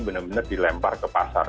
benar benar dilempar ke pasar